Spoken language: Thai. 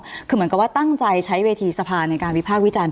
คือเหมือนกับว่าตั้งใจใช้เวทีสภาในการวิพากษ์วิจารณ